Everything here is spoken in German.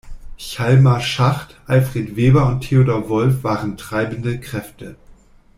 Hjalmar Schacht, Alfred Weber und Theodor Wolff waren treibende Kräfte.